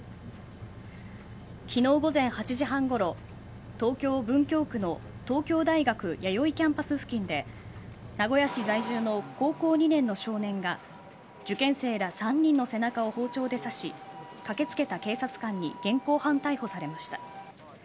昨日、午前８時半ごろ東京文京区の東京大学弥生キャンパス付近で名古屋市在住の高校２年の少年が受験生ら３人の背中を包丁で刺し駆け付けた警察官に現行犯逮捕されました。